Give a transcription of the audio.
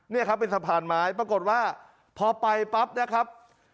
นี่ครับเป็นสะพานไม้ปรากฏว่าพอไปปั๊บนะครับ